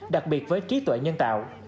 đặc biệt với trí tuệ nhân tạo